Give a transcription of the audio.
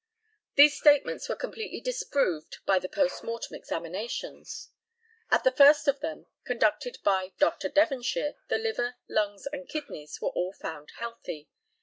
These statements were completely disproved by the post mortem examinations. At the first of them, conducted by Dr. Devonshire, the liver, lungs, and kidneys were all found healthy.